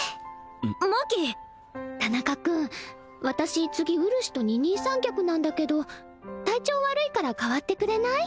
マキ田中君私次うるしと二人三脚なんだけど体調悪いから代わってくれない？